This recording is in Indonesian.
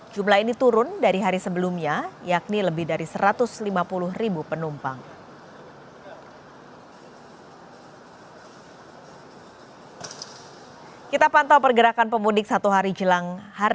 jumlah ini turun dari hari sebelumnya yakni lebih dari satu ratus lima puluh ribu penumpang